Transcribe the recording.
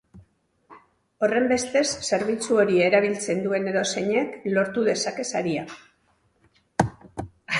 Horrenbestez, zerbitzu hori erabiltzen duen edozeinek lortu dezake saria.